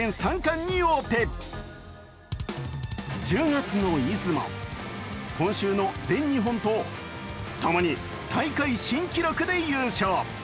１０月の出雲、今週の全日本と共に大会新記録で優勝。